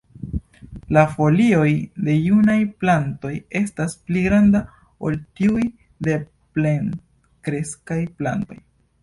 La folioj de junaj plantoj estas pli granda ol tiuj de plenkreskaj plantoj.